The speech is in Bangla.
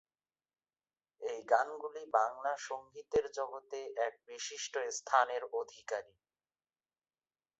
এই গানগুলি বাংলা সংগীতের জগতে এক বিশিষ্ট স্থানের অধিকারী।